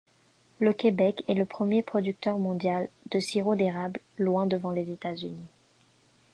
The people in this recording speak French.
Le Québec est le premier producteur mondial de sirop d'érable, loin devant les États-Unis.